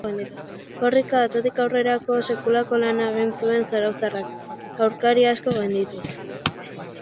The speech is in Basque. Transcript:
Korrika atzetik aurrerako sekulako lana egin zuen zarauztarrak, aurkari asko gaindituz.